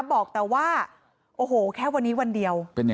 บอกแต่ว่าโอ้โหแค่วันนี้วันเดียว